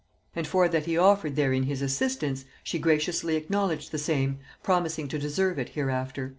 And for that he offered therein his assistance, she graciously acknowledged the same, promising to deserve it hereafter.'"